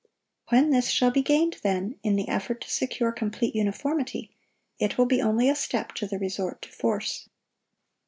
(748) When this shall be gained, then, in the effort to secure complete uniformity, it will be only a step to the resort to force.